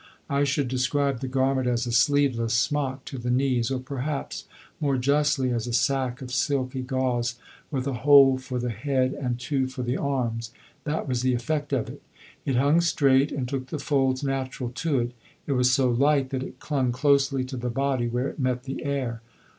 I should describe the garment as a sleeveless smock to the knees, or perhaps, more justly, as a sack of silky gauze with a hole for the head and two for the arms. That was the effect of it. It hung straight and took the folds natural to it. It was so light that it clung closely to the body where it met the air.